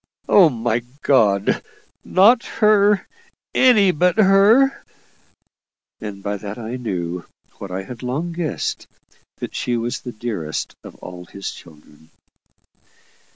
"Oh, my God! not her! Any but her!" And by that I knew, what I had long guessed, that she was the dearest of all his children.